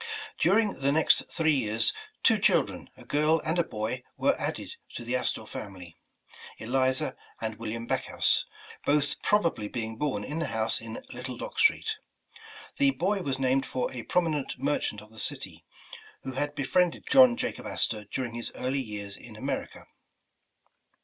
During the next three years, two children, a girl and a boy were added to the Astor family, Eliza and Wil liam Backhouse, both probably being born in the house in Little Dock Street. The boy was named for a promi nent merchant of the city, who had befriended John Jacob Astor during his early years in America.